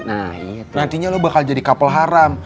nantinya lo bakal jadi kapel haram